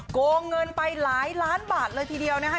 โกงเงินไปหลายล้านบาทเลยทีเดียวนะคะ